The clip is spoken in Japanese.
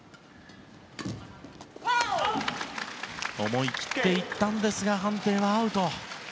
思い切っていったんですが判定はアウト。